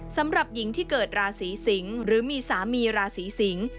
สำหรับหญิงที่เกิดราศีสิงศ์หรือมีสามีราศีสิงศ์